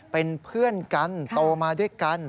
เป็นเพื่อนกันโตมาด้วยกัน